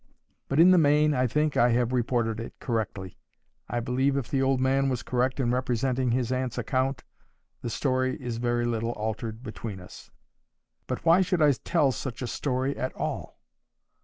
But in the main, I think, I have reported it correctly. I believe if the old man was correct in representing his aunt's account, the story is very little altered between us. But why should I tell such a story at all?